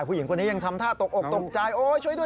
ผู้หญิงคนนี้ยังทำท่าตกอกตกใจโอ๊ยช่วยด้วย